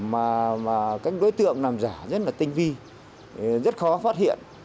mà các đối tượng làm giả rất là tinh vi rất khó phát hiện